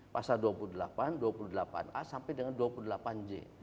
pasal dua puluh delapan dua puluh delapan a sampai dengan dua puluh delapan j